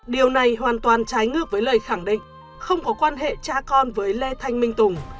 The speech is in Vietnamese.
điều này hoàn toàn trái ngược với lời khẳng định không có quan hệ cha con với lê thanh minh tùng